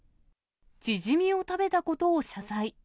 チヂミを食べたことを謝罪。